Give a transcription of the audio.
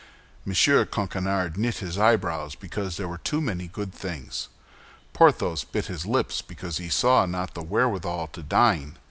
M. Coquenard knit his eyebrows because there were too many good things. Porthos bit his lips because he saw not the wherewithal to dine.